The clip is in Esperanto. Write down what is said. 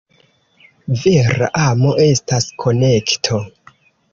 Vera amo estas konekto.